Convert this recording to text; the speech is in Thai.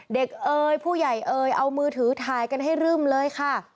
เอ๋ยผู้ใหญ่เอ๋ยเอามือถือถ่ายกันให้รึ่มเลยค่ะ